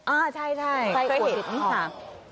อ่าใช่ไส้อั่วเห็ดถอบ